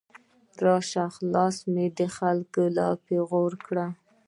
راشه خلاصه مې د خلګو له پیغور کړه